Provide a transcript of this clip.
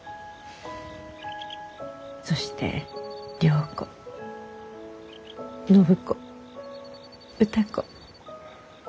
そして良子暢子歌子。